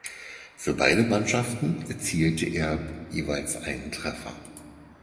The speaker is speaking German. Für beide Mannschaften erzielte er jeweils einen Treffer.